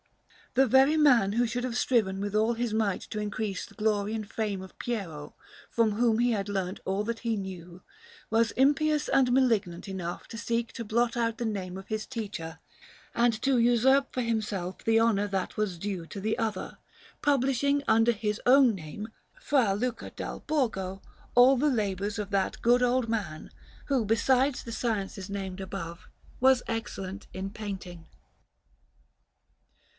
The very man who should have striven with all his might to increase the glory and fame of Piero, from whom he had learnt all that he knew, was impious and malignant enough to seek to blot out the name of his teacher, and to usurp for himself the honour that was due to the other, publishing under his own name, Fra Luca dal Borgo, all the labours of that good old man, who, besides the sciences named above, was excellent in painting.